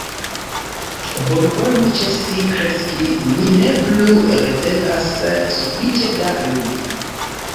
"Bonvolu ĉesi kreski, ni ne plu ricevas sufiĉe da lumo."